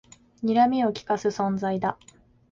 にらみをきかす存在だ